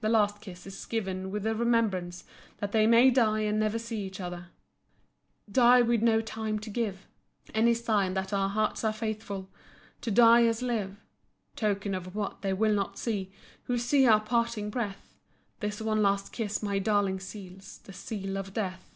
The last kiss is given with the remembrance that they may die and never see each other. Die with no time to give Any sign that our hearts are faithful To die as live. Token of what they will not see Who see our parting breath, This one last kiss my darling seals The seal of death.